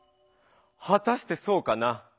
はたしてそうかな？